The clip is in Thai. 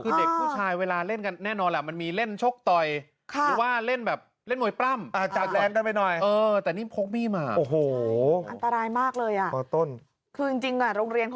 คือเด็กผู้ชายเวลาเล่นกันแน่นอนแหละมันมีเล่นชกต่อย